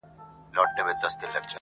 زما په مرگ به خلک ولي خوښېدلای.!